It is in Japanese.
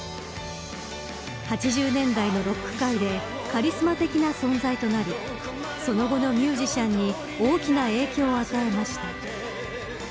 ８０年代のロック界でカリスマ的な存在となりその後のミュージシャンに大きな影響を与えました。